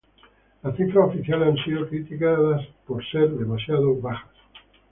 Las cifras oficiales han sido criticadas por ser demasiado bajas.